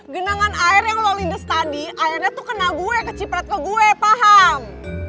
genangan air yang lo lindes tadi airnya tuh kena gue keciprat ke gue paham